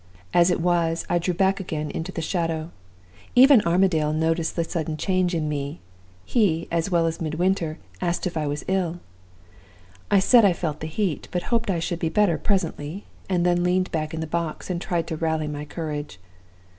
As it was, I drew back again into the shadow. Even Armadale noticed the sudden change in me: he, as well as Midwinter, asked if I was ill. I said I felt the heat, but hoped I should be better presently; and then leaned back in the box, and tried to rally my courage.